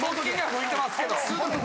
吹いてますけど。